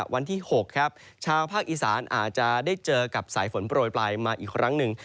วันที่๖ครับชาวภาคอีสานอาจจะได้เจอกับสายฝนโปรยปลายมาอีกครั้งหนึ่ง